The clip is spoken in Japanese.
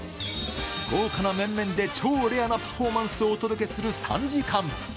豪華な面々で超レアなパフォーマンスをお届けする３時間。